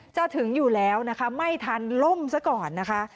จะถึงอยู่แล้วนะคะไม่ทันล่มซะก่อนนะคะ